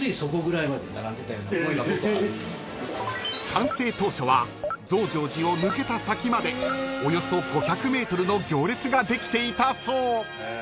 ［完成当初は増上寺を抜けた先までおよそ５００ｍの行列ができていたそう］